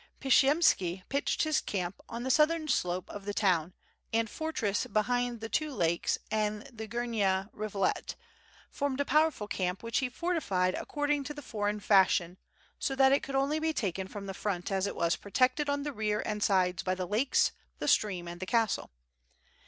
Pshiyemski pitched his camp on the southern slope of the town and fortress behind the two lakes and the Gnierna rivu let, formed a powerful camp which he fortified according to the foreign fashion so that it could only be taken from the front as it was protected on the rear and sides by the lakes, the stream and the castle.